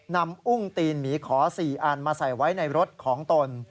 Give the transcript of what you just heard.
อุ้งตีนหมีขอ๔อันมาใส่ไว้ในรถของตน